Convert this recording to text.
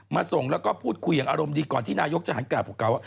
มาส่งแล้วก็พูดคุยอย่างอารมณ์ดีก่อนที่นายกจะหันกราบว่า